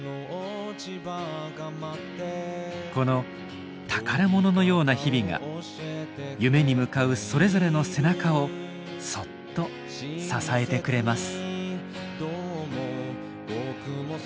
この宝物のような日々が夢に向かうそれぞれの背中をそっと支えてくれます。